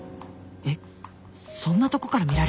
えっそんなとこから見られてたの？